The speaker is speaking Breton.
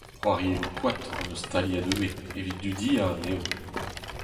C'hoarielloù koad hon eus staliet ivez, evit dudiañ anezho.